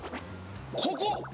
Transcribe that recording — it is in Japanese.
ここ？